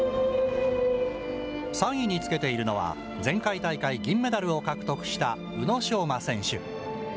３位につけているのは、前回大会銀メダルを獲得した宇野昌磨選手。